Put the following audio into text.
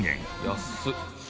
安っ！